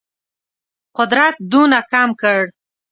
قدرت دونه کم کړ.